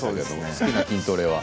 好きな筋トレは？